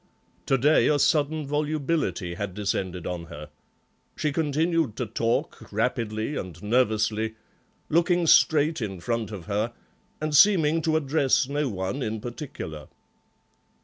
To day a sudden volubility had descended on her; she continued to talk, rapidly and nervously, looking straight in front of her and seeming to address no one in particular.